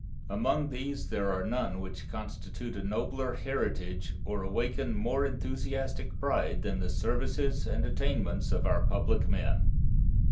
Among these there are none which constitute a nobler heritage or awaken more enthusiastic pride than the services and attainments of our public men.